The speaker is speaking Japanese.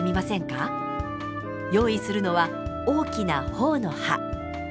用意するのは大きな朴の葉。